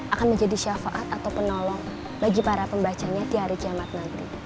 akan menjadi syafaat atau penolong bagi para pembacanya di hari jumat nanti